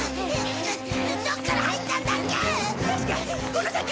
どこから入ったんだっけ？